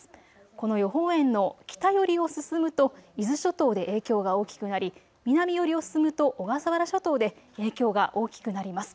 この予報円の北寄りを進むと伊豆諸島で影響が大きくなり南寄りを進むと小笠原諸島で影響が大きくなります。